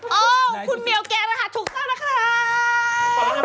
โอ้คุณเมียวแกนนะคะถูกต้องนะคะ